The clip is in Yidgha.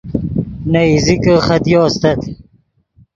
نے ایزیکے خدیو استت